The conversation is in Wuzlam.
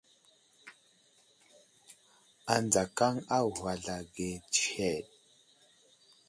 Adzakaŋ a ghwazl age tsəhəd.